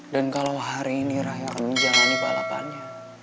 dan kalo hari ini raya akan menjalani balapannya